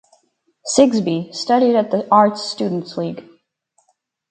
Sigsbee studied at the Arts Students League.